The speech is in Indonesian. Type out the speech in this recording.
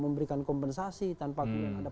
memberikan kompensasi tanpa